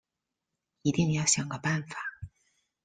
一定要想个办法